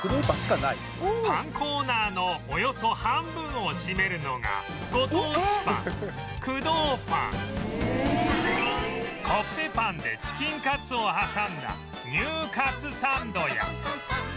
パンコーナーのおよそ半分を占めるのがご当地パン工藤パンコッペパンでチキンカツを挟んだニューカツサンドや